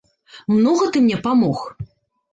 Многа ты мне памог?